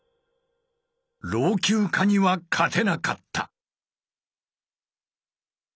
老朽化には勝てなかった。